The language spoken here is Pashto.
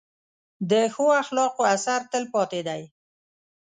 د ښو اخلاقو اثر تل پاتې دی.